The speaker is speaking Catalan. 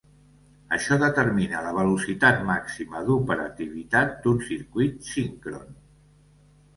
Això determina la velocitat màxima d'operativitat d'un circuit síncron.